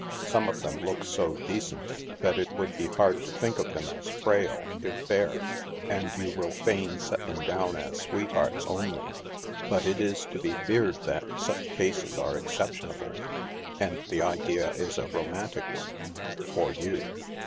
Some of them look so " decent," that it would be hard to think of them as frail, if fair, and you will fain set them down as sweethearts only ; but it is to be feared that such cases are exceptionable, and the idea is a romantic one — for you.